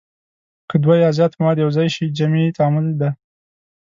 که دوه یا زیات مواد یو ځای شي جمعي تعامل دی.